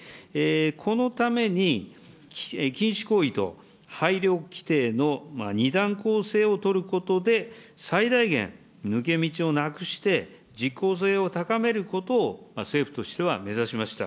このために、禁止行為と配慮規定の２段構成を取ることで最大限、抜け道をなくして、実効性を高めることを政府としては目指しました。